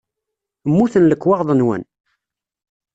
Mmuten lekwaɣeḍ-nwen?